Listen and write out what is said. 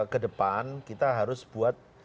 kedepan kita harus buat